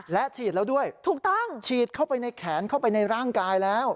และฉีดแล้วด้วยฉีดเข้าไปในแขนเข้าไปในร่างกายแล้วถูกต้อง